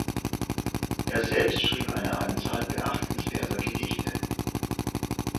Er selbst schrieb eine Anzahl beachtenswerter Gedichte.